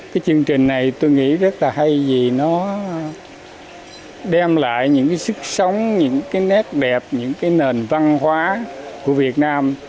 chương trình này tôi nghĩ rất là hay vì nó đem lại những sức sống những nét đẹp những nền văn hóa của việt nam